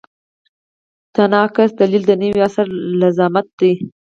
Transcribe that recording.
تناقض دلیل د نوي عصر الزامات دي.